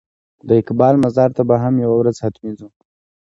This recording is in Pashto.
د اقبال مزار ته به هم یوه ورځ حتمي ځو.